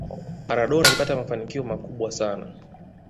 maradona alipata mafanikio makubwa sana